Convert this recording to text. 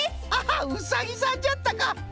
ハハッうさぎさんじゃったか！